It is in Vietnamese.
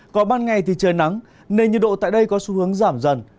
có ban ngày thì trời nắng nền nhiệt độ tại đây có xu hướng giảm dần